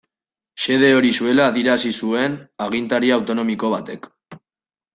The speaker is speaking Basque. Xede hori zuela adierazi zuen agintari autonomiko batek.